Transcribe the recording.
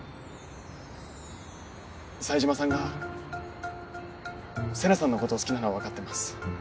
冴島さんが瀬那さんのことを好きなのはわかってます。